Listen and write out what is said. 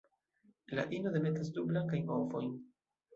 La ino demetas du blankajn ovojn.